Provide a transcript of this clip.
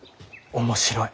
面白い。